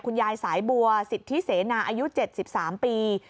ยายสายบัวสิทธิเสนาอายุ๗๓ปี